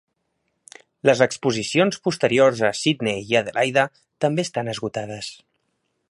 Les exposicions posteriors a Sydney i Adelaida també estan esgotades.